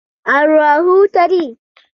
ارواحو تړي.